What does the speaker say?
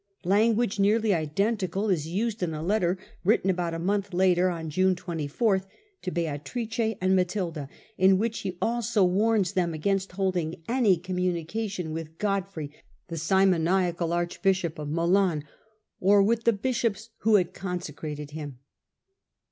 Language nearly identical is used in a letter written about a month later (June 24) to Beatrice and Matilda, in which he also warns them against holding any communication with Godfrey, the simoniacal archbishop of Milan, or with' the bishops who had consecrated him.